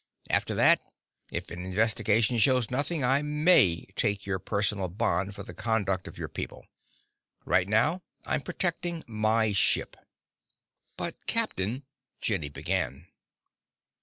After that, if an investigation shows nothing, I may take your personal bond for the conduct of your people. Right now I'm protecting my ship." "But captain " Jenny began.